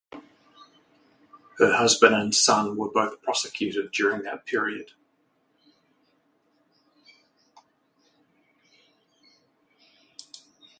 Her husband and son were both prosecuted during that period.